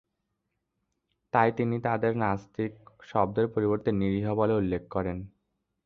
তাই তিনি তাদের নাস্তিক শব্দের পরিবর্তে "নিরীহ" বলে উল্লেখ করেন।